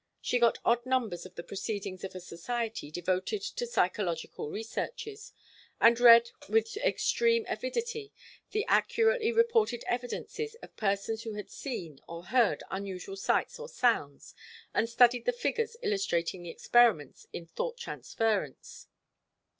She got odd numbers of the proceedings of a society devoted to psychological researches, and read with extreme avidity the accurately reported evidence of persons who had seen or heard unusual sights or sounds, and studied the figures illustrating the experiments in thought transference.